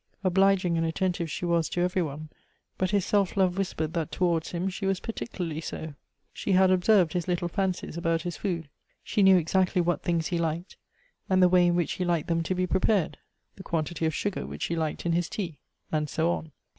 Obliging and attentive she was to every one, but his self love whispered that towards him she was particularly so. She had observed his little fancies about his food. She knew exactly what things he liked, and the way in which he liked them to be jirepared ; the quantity of sugar which he liked in his tea ; and so on.